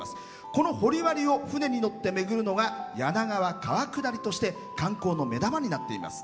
この掘割を船に乗って巡るのが柳川川下りとして観光の目玉になっています。